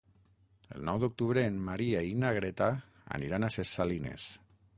El nou d'octubre en Maria i na Greta aniran a Ses Salines.